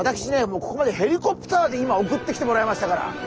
もうここまでヘリコプターで今送ってきてもらいましたから。